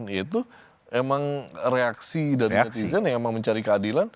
yaitu emang reaksi dari netizen yang emang mencari keadilan